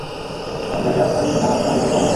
আমি তাকে আপনার আগে চিনতাম, আপনার আগে থেকে ভালবাসতাম।